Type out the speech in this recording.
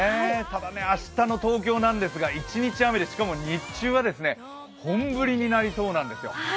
ただ明日の東京なんですが一日雨で、しかも日中は本降りになりそうなんですよ。